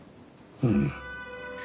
うん。